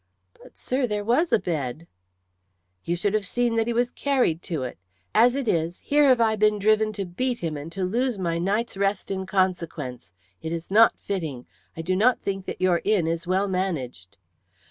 "But, sir, there was a bed." "You should have seen that he was carried to it. As it is, here have I been driven to beat him and to lose my night's rest in consequence. It is not fitting. I do not think that your inn is well managed."